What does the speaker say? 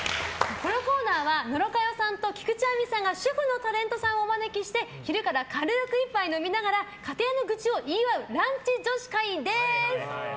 このコーナーは野呂佳代さんと菊地亜美さんが主婦のタレントさんをお招きして昼から軽く１杯飲みながら家庭の愚痴を言い合うランチ女子会です。